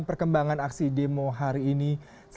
perintah yang akan menyebutkan pembahasan yang akan diperoleh